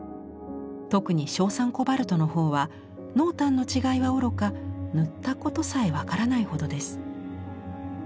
特に硝酸コバルトのほうは濃淡の違いはおろか塗ったことさえ分からないほどです。